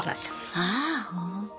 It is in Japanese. ああ本当。